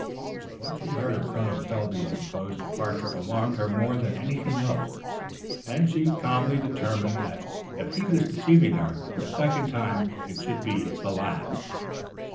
What she heard of Col. Selby's proposed departure alarmed her more than anything else, and she calmly determined that if he was deceiving her the second time it should be the last.